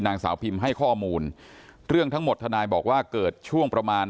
นางสาวพิมให้ข้อมูลเรื่องทั้งหมดทนายบอกว่าเกิดช่วงประมาณ